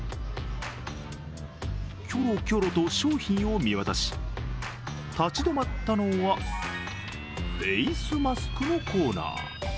キョロキョロと商品を見渡し立ち止まったのはフェースマスクのコーナー。